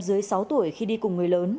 dưới sáu tuổi khi đi cùng người lớn